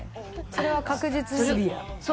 それは確実に。